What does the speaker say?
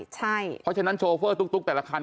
เพราะฉะนั้นโชเฟอร์ตุ๊กแต่ละคัน